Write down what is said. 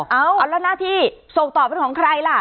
เอาแล้วหน้าที่ส่งต่อเป็นของใครล่ะ